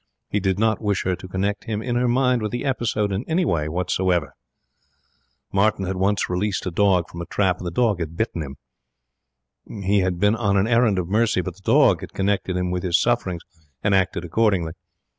He did not wish her to connect him in her mind with the episode in any way whatsoever. Martin had once released a dog from a trap, and the dog had bitten him. He had been on an errand of mercy, but the dog had connected him with his sufferings and acted accordingly.